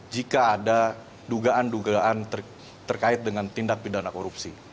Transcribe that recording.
jika ada dugaan dugaan terkait dengan tindak pidana korupsi